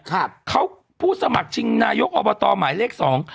ครับเขาผู้สมัครชิงนายกอบตหมายเลขสอง